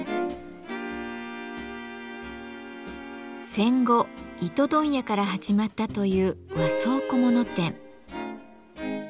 戦後糸問屋から始まったという和装小物店。